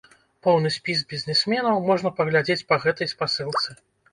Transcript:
Поўны спіс бізнесменаў можна паглядзець па гэтай спасылцы.